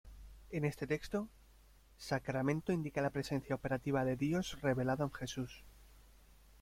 En este texto, "sacramento" indica la presencia operativa de Dios revelado en Jesús.